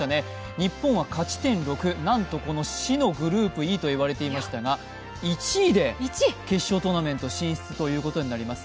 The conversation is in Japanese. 日本は勝ち点６、なんと死のグループＥといわれていましたが、１位で決勝トーナメント進出ということになります。